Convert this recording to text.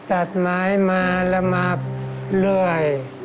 ตัดไม้มาแล้วมาเรื่อย